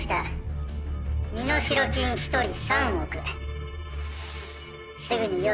身代金一人３億すぐに用意しろ。